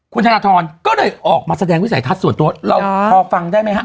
คุณธนทรก็เลยออกมาแสดงวิสัยทัศน์ส่วนตัวเราพอฟังได้ไหมฮะ